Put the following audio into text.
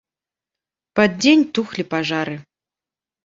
Пад дзень тухлі пажары.